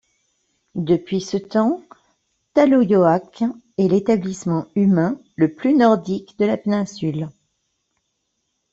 Depuis ce temps, Taloyoak est l'établissement humain le plus nordique de la péninsule.